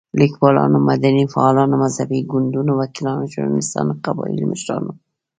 ليکوالانو، مدني فعالانو، مذهبي ګوندونو، وکيلانو، ژورناليستانو، قبايلي مشرانو